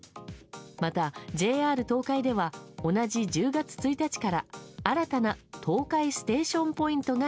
また、ＪＲ東海では同じ１０月１日から新たな東海ステーションポイントが